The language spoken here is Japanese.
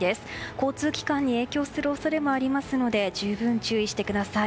交通機関に影響する恐れもありますので十分注意してください。